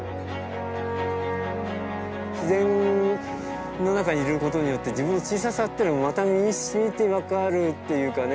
自然の中にいることによって自分の小ささってのをまた身にしみて分かるっていうかね。